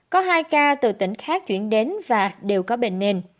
có hai ca từ tỉnh khác chuyển đến và đều có bệnh nền